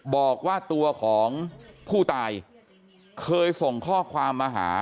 บอกว่าตัวของผู้ตายเคยส่งข้อความมาหา